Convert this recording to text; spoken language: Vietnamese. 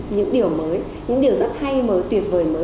những điều mới những điều rất hay mới tuyệt vời mới